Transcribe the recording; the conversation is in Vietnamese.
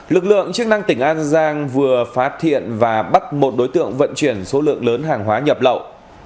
lực lượng chức năng tỉnh an giang vừa phát hiện và bắt một đối tượng vận chuyển số lượng lớn hàng hóa nhập lậu